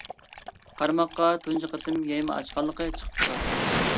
قارماققا تۇنجى قېتىم يايما ئاچقانلىقى چىقىپ تۇراتتى.